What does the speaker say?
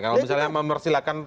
kalau misalnya memersilakan